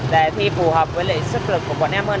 để thi phù hợp với sức lực của bọn em hơn